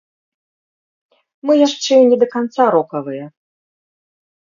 Мы яшчэ не да канца рокавыя.